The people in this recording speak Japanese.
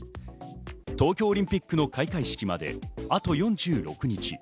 東京オリンピックの開会式まであと４６日。